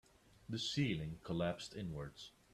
The ceiling collapsed inwards.